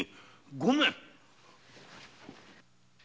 ごめん！